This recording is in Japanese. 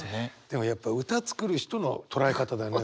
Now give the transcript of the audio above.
でもやっぱ歌作る人の捉え方だよね。